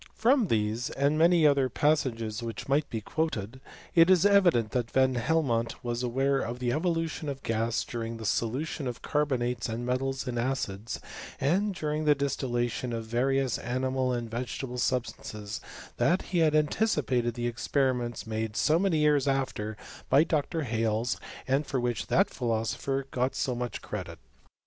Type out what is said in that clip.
From these, and many other passages which might be quoted, it is evident that Van Hel mont was aware of the evolution of gas during the solution of carbonates and metals in acids, and during the distillation of various animal and vegetable sub stances, that he had anticipated the experiments made so many years after by Dr. Hales, and for which that philosopher got so much credit.